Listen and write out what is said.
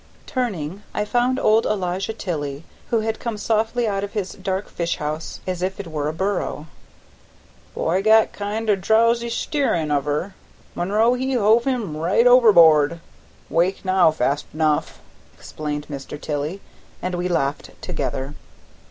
Turning, I found old Elijah Tilley, who had come softly out of his dark fish house, as if it were a burrow. "Boy got kind o' drowsy steerin' of her; Monroe he hove him right overboard; 'wake now fast enough," explained Mr. Tilley, and we laughed together.